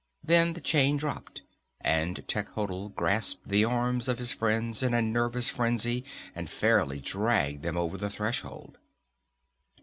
Then the chain was dropped and Techotl grasped the arms of his friends in a nervous frenzy and fairly dragged them over the threshold.